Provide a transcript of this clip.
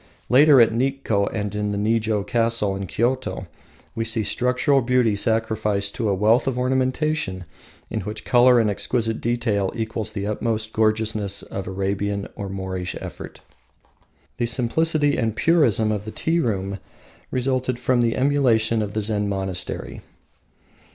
Later, at Nikko and in the Nijo castle in Kyoto, we see structural beauty sacrificed to a wealth of ornamentation which in colour and exquisite detail equals the utmost gorgeousness of Arabian or Moorish effort. The simplicity and purism of the tea room resulted from emulation of the Zen monastery.